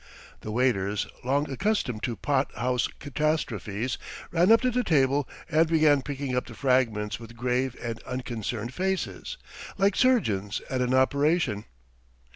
The waiters, long accustomed to pot house catastrophes, ran up to the table and began picking up the fragments with grave and unconcerned faces, like surgeons at an operation.